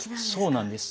そうなんです。